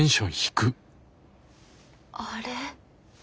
あれ？